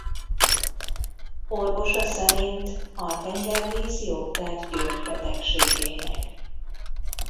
Orvosa szerint a tengervíz jót tett György betegségének.